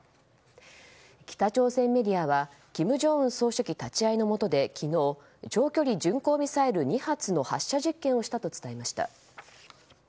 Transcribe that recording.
北朝鮮メディアは金正恩総書記立ち会いのもとで昨日、長距離巡航ミサイル２発の発射実験をしたと伝えました。